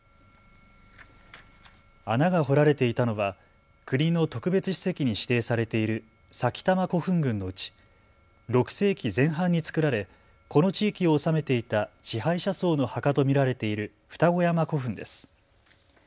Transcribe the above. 穴が掘られていたのは国の特別史跡に指定されている埼玉古墳群のうち６世紀前半に造られこの地域を治めていた支配者層の墓と見られている二子山古墳です。